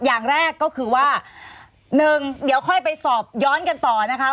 อย่างแรกก็คือว่าหนึ่งเดี๋ยวค่อยไปสอบย้อนกันต่อนะคะ